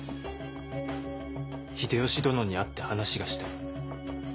秀吉殿に会って話がしたい。